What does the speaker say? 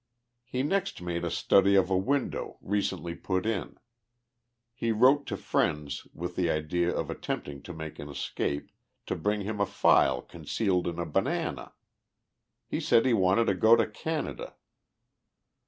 He next made a study of a window, recently put in. He wrote to friends, with the idea of attempting to make an escape, to bring him a file concealed in a banana. He said he wanted to go to Canada